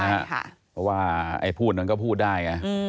เพราะว่าไอ้ผู้นั้นก็พูดได้